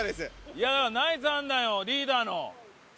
いやナイス判断よリーダーの。